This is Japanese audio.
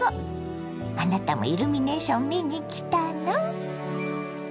あなたもイルミネーション見に来たの？